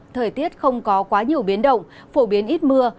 thời tiết không có quá nhiều biến động phổ biến ít mưa